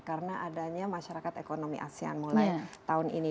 karena adanya masyarakat ekonomi asean mulai tahun ini